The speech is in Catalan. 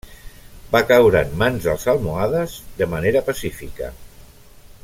Va caure en mans dels almohades de manera pacífica.